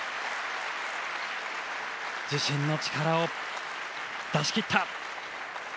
自身の力を出し切った。